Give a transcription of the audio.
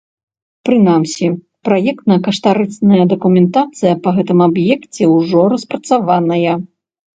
Прынамсі, праектна-каштарысная дакументацыя па гэтым аб'екце ўжо распрацаваная.